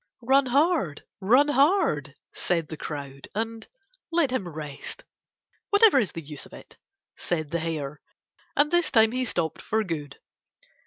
"Run hard. Run hard," said the crowd, and "Let him rest." "Whatever is the use of it?" said the Hare, and this time he stopped for good.